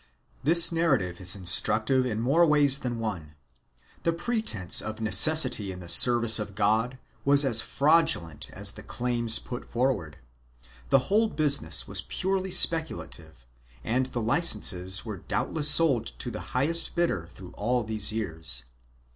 1 This narrative is instructive in more ways than one. The pre tence of necessity in the service of God was as fraudulent as the claims put forward. The whole business was purely speculative and the licences were doubtless sold to the highest bidder through all these years.